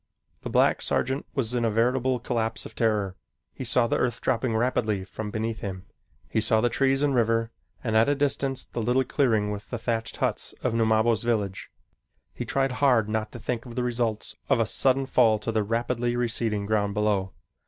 The black sergeant was in a veritable collapse of terror. He saw the earth dropping rapidly from beneath him. He saw the trees and river and at a distance the little clearing with the thatched huts of Numabo's village. He tried hard not to think of the results of a sudden fall to the rapidly receding ground below.